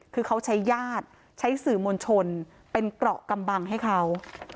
คือเขาใช้ญาติใช้สื่อมวลชนเป็นเกราะกำบังให้เขา